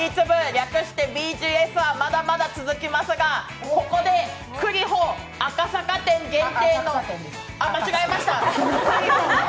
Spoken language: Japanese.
略してＢＧＳはまだまだ続きますが、ここで栗歩赤坂店限定のあ、間違えました。